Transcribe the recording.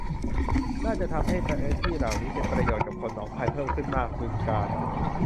น่าจะทำให้พื้นที่เหล่านี้เป็นประโยชน์กับคนหนองคายเพิ่มขึ้นมาก บึงกาฬ